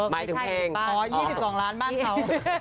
ไม่ใช่ขอ๒๒ล้านบ้านเขา